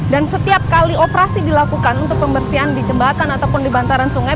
dan setiap kali operasi dilakukan untuk pembersihan di jembatan ataupun di bantaran sungai